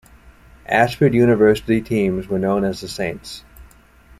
Ashford University teams were known as the Saints.